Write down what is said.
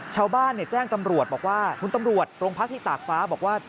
ชาวบ้านแจ้งตำรวจบอกว่าคุณตำรวจโรงพักที่ตากฟ้าบอกว่า